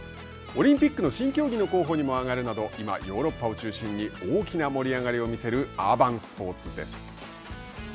オリンピックの新競技の候補にも挙がるなど、今ヨーロッパを中心に大きな盛り上がりを見せるアーバンスポーツです。